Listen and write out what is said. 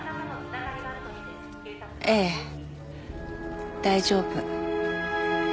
ええ大丈夫。